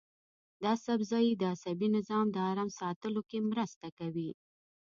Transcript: دا سبزی د عصبي نظام د ارام ساتلو کې مرسته کوي.